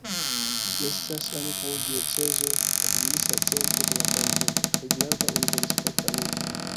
Ĝi estas ankaŭ diocezo, administra centro de kantono kaj grava universitata urbo.